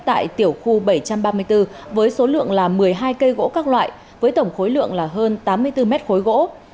tại tiểu khu bảy trăm ba mươi bốn với số lượng một mươi hai cây gỗ các loại với tổng khối lượng là hơn tám mươi bốn mét khối gỗ